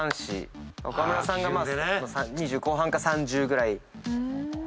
岡村さんが二十後半か３０ぐらい。